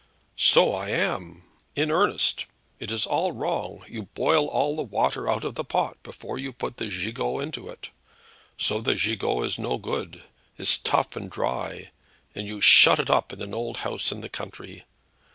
"So I am in earnest. It is all wrong. You boil all the water out of de pot before you put the gigot into it. So the gigot is no good, is tough and dry, and you shut it up in an old house in the country.